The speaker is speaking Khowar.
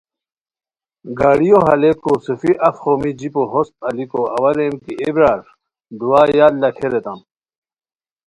گاڑیو حالئیکو صوفی اف خومی جیپو ہوست الیکو اوا ریم کی اے برار دُعا یاد لاکھے ریتام